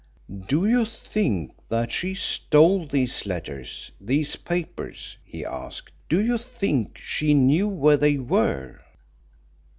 "Do you think that she stole these letters these papers?" he asked. "Do you think she knew where they were?"